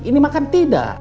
ini mah kan tidak